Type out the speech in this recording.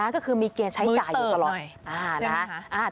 ก็คือมีเกณฑ์ใช้จ่ายอยู่ตลอด